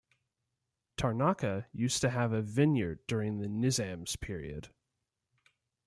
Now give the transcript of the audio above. Tarnaka used to have a vineyard during the Nizams period.